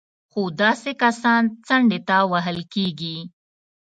خو داسې کسان څنډې ته وهل کېږي